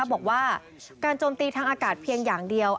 บอกว่าการโจมตีทางอากาศเพียงอย่างเดียว